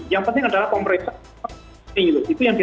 yang penting adalah pemerintah itu yang dianggarkan publik